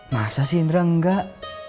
masa sih indra enggak